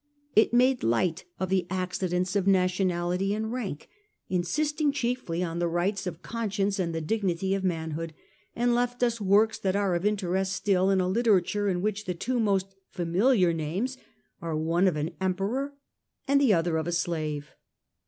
It made light of the accidents of nationality and rank, insisting chiefly on the rights of conscience and the dignity of manhood, and left us works that are of interest still in a literature in which the two most familiar names are one of an Emperor, the other of a slave.